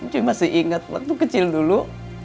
cuy masih inget waktu kecil dulu